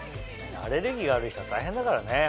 アレルギーある人は大変だからね。